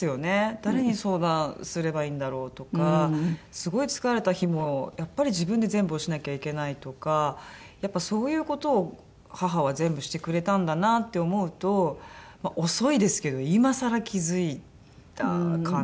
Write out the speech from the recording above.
誰に相談すればいいんだろうとかすごい疲れた日もやっぱり自分で全部をしなきゃいけないとかやっぱそういう事を母は全部してくれたんだなって思うと遅いですけど今更気付いたかな。